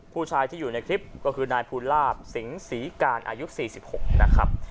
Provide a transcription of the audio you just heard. ผู้ชายที่อยู่ในคลิปก็คือนายภูลาภสิงศรีการอายุ๔๖นะครับ